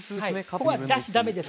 ここはだしダメです。